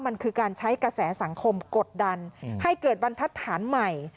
มันคือการใช้กระแสสังคมกดดันให้เกิดบรรทัศน์ใหม่